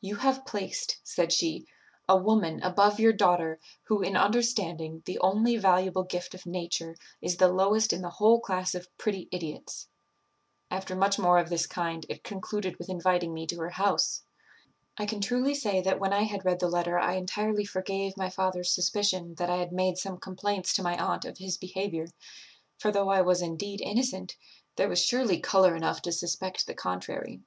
'You have placed,' said she, 'a woman above your daughter, who, in understanding, the only valuable gift of nature, is the lowest in the whole class of pretty idiots.' After much more of this kind, it concluded with inviting me to her house. "I can truly say that when I had read the letter I entirely forgave my father's suspicion that I had made some complaints to my aunt of his behaviour; for, though I was indeed innocent, there was surely colour enough to suspect the contrary.